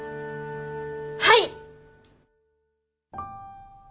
はい！